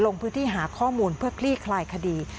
ลงพื้นที่หาข้อมูลเพื่อคลี่คลายคดี